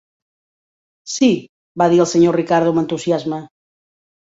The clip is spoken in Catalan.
"Sí", va dir el senyor Ricardo amb entusiasme.